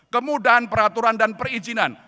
kemudahan peraturan dan perizinan